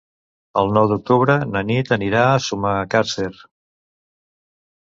El nou d'octubre na Nit anirà a Sumacàrcer.